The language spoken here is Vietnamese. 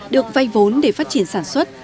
được vay vốn để phát triển sản xuất